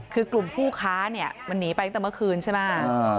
คือกลุ่มผู้ค้าเนี่ยมันหนีไปตั้งแต่เมื่อคืนใช่ไหม